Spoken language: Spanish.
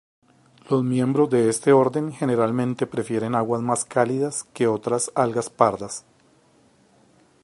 Los miembros de este orden generalmente prefieren aguas más cálidas que otras algas pardas.